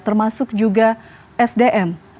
termasuk juga sdm